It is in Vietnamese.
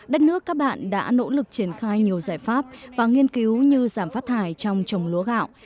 đất nước các bạn đã nỗ lực triển khai nhiều giải pháp và nghiên cứu như giảm phát thải trong trồng lúa gạo